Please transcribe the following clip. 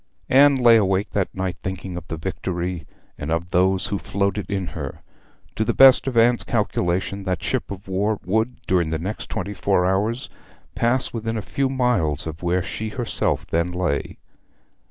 Anne lay awake that night thinking of the Victory, and of those who floated in her. To the best of Anne's calculation that ship of war would, during the next twenty four hours, pass within a few miles of where she herself then lay.